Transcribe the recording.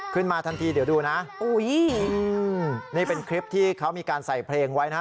ขึ้นมาทันทีเดี๋ยวดูนะอุ้ยนี่เป็นคลิปที่เขามีการใส่เพลงไว้นะฮะ